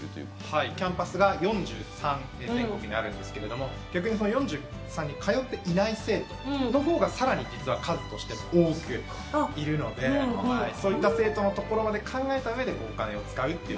はいキャンパスが４３全国にあるんですけれども逆にその４３に通っていない生徒の方がさらに実は数としても多くいるのでそういった生徒のところまで考えた上でお金を使うっていう。